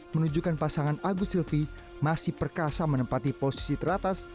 menunjukkan pasangan agus silvi masih perkasa menempati posisi teratas